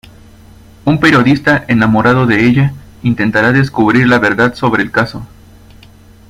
Un periodista enamorado de ella, intentará descubrir la verdad sobre el caso.